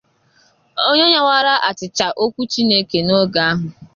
onye nyawara àchịchà okwu Chineke n'oge ahụ